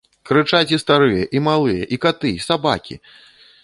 Крычаць і старыя, і малыя, і каты, і сабакі!